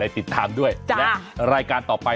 ไห้ติดทางด้วยไอ้คุณค่ะ